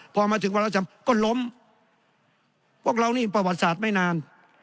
พอมาถึงวาลาที่สามก็ล้มเพราะเรานี่ประวัติศาสตร์ไม่นาน